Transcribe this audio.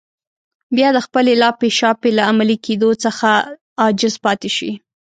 بيا د خپلې لاپې شاپې له عملي کېدو څخه عاجز پاتې شي.